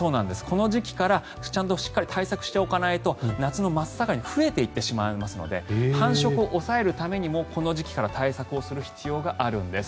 この時期からしっかり対策しておかないと夏の真っ盛りに増えていってしまいますので繁殖を抑えるためにもこの時期から対策をする必要があるんです。